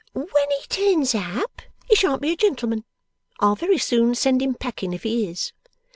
'When He turns up, he shan't be a gentleman; I'll very soon send him packing, if he is.